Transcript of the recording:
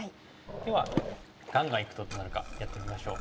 ではガンガンいくとどうなるかやってみましょう。